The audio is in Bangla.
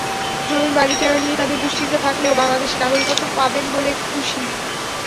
জমির মালিকানা নিয়ে তাঁদের দুশ্চিন্তা থাকলেও বাংলাদেশের নাগরিকত্ব পাবেন বলে খুশি।